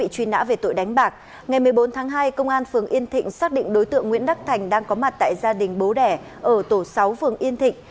các phường yên thịnh xác định đối tượng nguyễn đắc thành đang có mặt tại gia đình bố đẻ ở tổ sáu phường yên thịnh